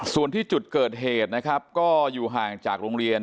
ส่วนที่จุดเกิดเหตุนะครับก็อยู่ห่างจากโรงเรียน